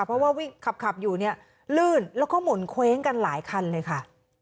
เพราะว่าวิ่งขับอยู่เนี่ยลื่นแล้วก็หมุนเคว้งกันหลายคันเลยค่ะ